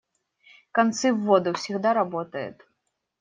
«Концы в воду» всегда работает.